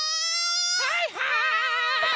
はいはい！